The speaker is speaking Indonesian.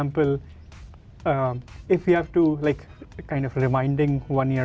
misalnya jika anda ingin mengingatkan satu tahun kemudian